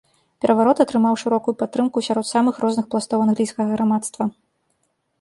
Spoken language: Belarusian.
Пераварот атрымаў шырокую падтрымку сярод самых розных пластоў англійскага грамадства.